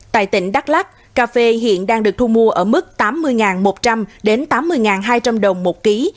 tại tỉnh đắk lắc cà phê hiện đang được thu mua ở mức tám mươi một trăm linh đến tám mươi hai trăm linh đồng một ký